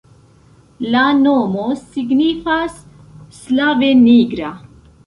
La nomo signifas slave nigra.